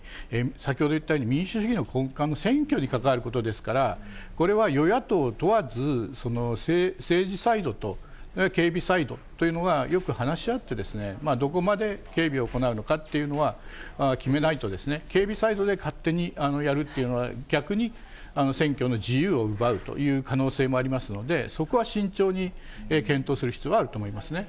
先ほど言ったように、民主主義の根幹の選挙に関わることですから、これは与野党問わず、政治サイドと警備サイドというのがよく話し合って、どこまで警備を行うのかというのは決めないと、警備サイドで勝手にやるっていうのは、逆に選挙の自由を奪うという可能性もありますので、そこは慎重に検討する必要があると思いますね。